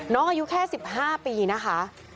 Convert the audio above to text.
อายุแค่๑๕ปีนะคะ